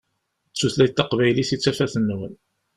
D tutlayt taqbaylit i tafat-nwen.